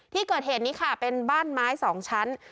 ที่เกิดเหตุนี้ค่ะเป็นบ้านไม้๒ชั้น